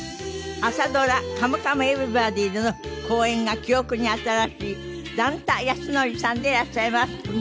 朝ドラ『カムカムエヴリバディ』での好演が記憶に新しい段田安則さんでいらっしゃいます。